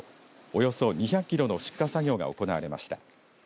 およそ２００キロの出荷作業が行われました。